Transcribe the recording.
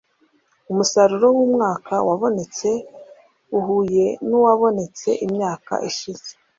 umusaruro w’umwaka wabonetse uhuye n’uwabonetse imyaka ishize